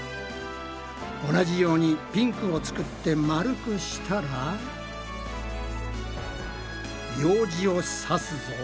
同じようにピンクを作って丸くしたらようじをさすぞ。